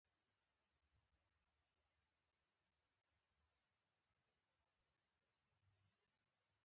ایسټل لوډر وایي د بریا لپاره کار کوئ.